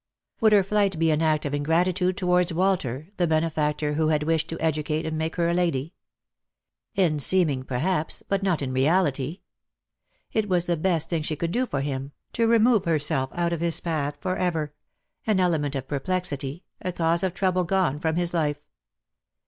Would her flight be an act of ingratitude towards Walter, the benefactor who had wished to educate and make her a lady ? In seeming, perhaps, but not in reality. It was the best thing she could do for him, to remove herself out of his path for ever — an element of perplexity, a cause of trouble gone from his life.